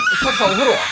お風呂は？